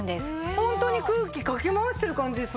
ホントに空気かき回してる感じですもんね。